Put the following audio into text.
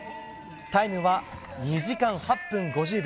タイムは２時間８分５０秒。